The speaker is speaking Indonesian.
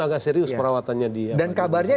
agak serius perawatannya dia dan kabarnya